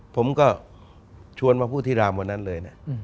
ผมก็ชวนมาพูดที่รามวันนั้นเลยนะ